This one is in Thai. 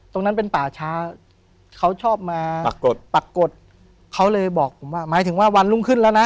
ตรงนั้นเป็นป่าช้าเขาชอบมาปรากฏปรากฏเขาเลยบอกผมว่าหมายถึงว่าวันรุ่งขึ้นแล้วนะ